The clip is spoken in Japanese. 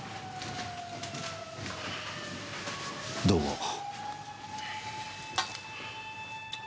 どうも。